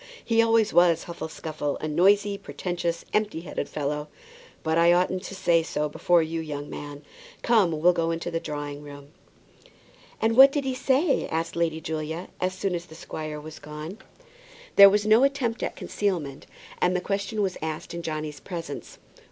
He always was Huffle Scuffle; a noisy, pretentious, empty headed fellow. But I oughtn't to say so before you, young man. Come, we'll go into the drawing room." "And what did he say?" asked Lady Julia, as soon as the squire was gone. There was no attempt at concealment, and the question was asked in Johnny's presence.